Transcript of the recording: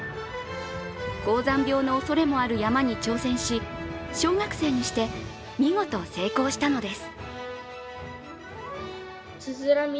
高山病のおそれもある山に挑戦し小学生にして、見事成功したのです。